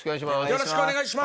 よろしくお願いします。